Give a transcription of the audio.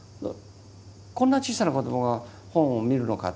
こんな小さな子どもが本を見るのかって